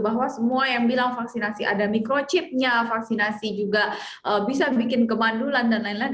bahwa semua yang bilang vaksinasi ada microchipnya vaksinasi juga bisa bikin kemandulan dan lain lain